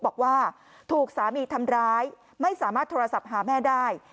บอกว่าถูกสามีทำร้ายไม่สามารถโทรศัพท์หาแม่ได้